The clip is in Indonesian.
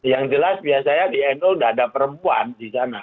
yang jelas biasanya di nu sudah ada perempuan di sana